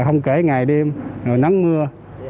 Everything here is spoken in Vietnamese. không kể ngày đêm nắng mưa